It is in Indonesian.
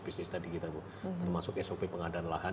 bisnis tadi kita bu termasuk sop pengadaan lahan